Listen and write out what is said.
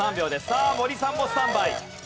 さあ森さんもスタンバイ。